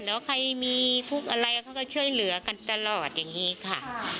แล้วใครมีทุกข์อะไรเขาก็ช่วยเหลือกันตลอดอย่างนี้ค่ะ